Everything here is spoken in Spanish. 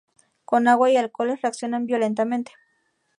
Con agua y alcoholes reaccionan violentamente.